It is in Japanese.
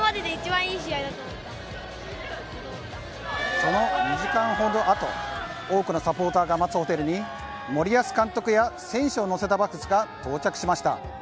その２時間ほど後多くのサポーターが待つホテルに森保監督や選手を乗せたバスが到着しました。